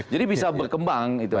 jadi bisa berkembang gitu